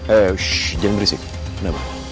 eh jangan berisik kenapa